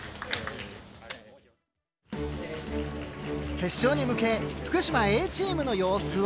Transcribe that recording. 決勝に向け福島Ａチームの様子は？